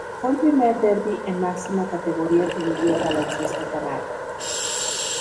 Fue el primer derby en máxima categoría que vivió el baloncesto canario.